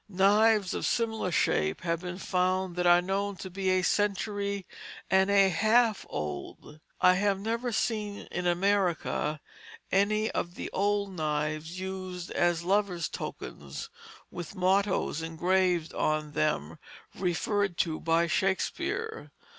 Knives of similar shape have been found that are known to be a century and a half old. I have never seen in America any of the old knives used as lovers' tokens, with mottoes engraved on them, referred to by Shakespeare.